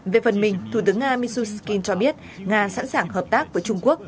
về phần mình thủ tướng nga mishustin cho biết nga sẵn sàng hợp tác với trung quốc